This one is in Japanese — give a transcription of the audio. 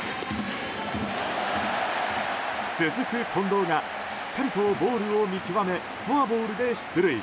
続く近藤がしっかりとボールを見極めフォアボールで出塁。